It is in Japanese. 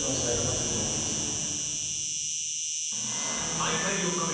大会４日目。